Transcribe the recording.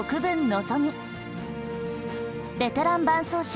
ベテラン伴走者